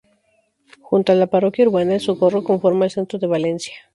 Junto a la Parroquia Urbana El Socorro conforma el Centro de Valencia.